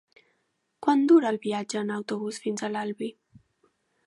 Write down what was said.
Quant dura el viatge en autobús fins a l'Albi?